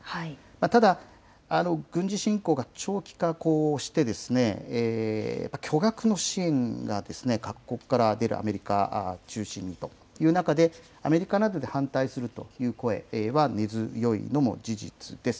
ただ、軍事侵攻が長期化して、やっぱり巨額の支援が各国から出る、アメリカ中心にという中で、アメリカなどで反対するという声は根強いのも事実です。